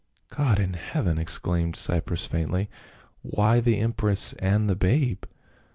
" God in heaven !" exclaimed Cypros faintly. " Why the empress and the babe